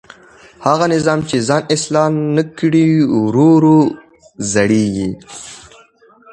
هغه نظام چې ځان اصلاح نه کړي ورو ورو زړېږي